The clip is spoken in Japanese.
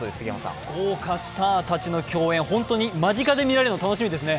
豪華スターたちの競演共演、本当に間近で見られるの楽しみですね。